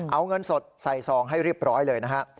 เอาเงินสดใส่ซองให้เรียบร้อยเลยนะฮะ